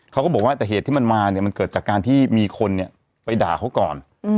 เขาก็บอกว่าแต่เหตุที่มันมาเนี่ยมันเกิดจากการที่มีคนเนี่ยไปด่าเขาก่อน